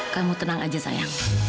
kamu tenang aja sayang